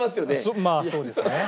まあそうですね。